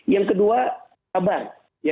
yang kedua sabar